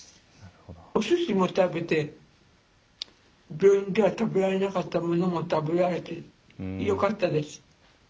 おすしも食べて病院では食べられなかったものも食べられてよかったです。